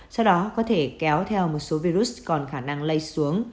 sau đó có thể kéo theo một số virus còn khả năng lây xuống